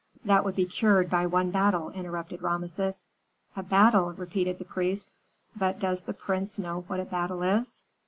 "That would be cured by one battle," interrupted Rameses. "A battle!" repeated the priest. "But does the prince know what a battle is?"